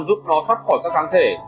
giúp nó thoát khỏi các kháng thể